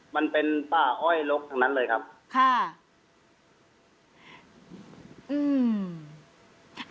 มันเป็นป่าอ้อยลกทั้งนั้นเลยครับค่ะอืม